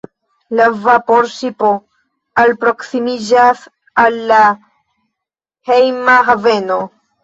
La vaporŝipo alproksimiĝas al la hejma haveno.